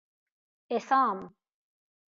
عصام